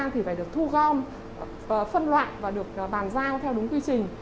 thì phải được thu gom phân loại và được bàn giao theo đúng quy trình